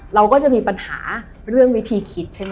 เราก็จะมีปัญหาเรื่องวิธีคิดใช่ไหม